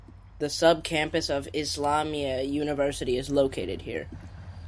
The sub-campus of Islamia University is located here.